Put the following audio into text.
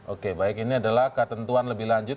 oke baik ini adalah ketentuan lebih lanjut